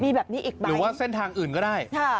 มีแบบนี้อีกบ้างหรือว่าเส้นทางอื่นก็ได้